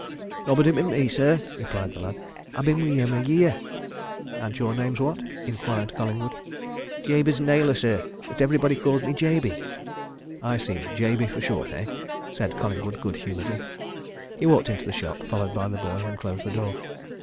"Nobody but me, sir," replied the lad. "I've been with him a year." "And your name's what?" inquired Collingwood. "Jabez Naylor, sir, but everybody call me Jabey." "I see Jabey for short, eh?" said Collingwood good humouredly. He walked into the shop, followed by the boy, and closed the door.